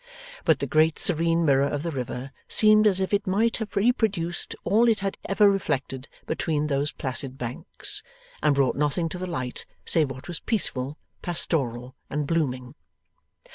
But the great serene mirror of the river seemed as if it might have reproduced all it had ever reflected between those placid banks, and brought nothing to the light save what was peaceful, pastoral, and blooming.